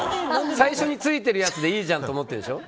最初についてるやつでいいじゃんって思ってるでしょ？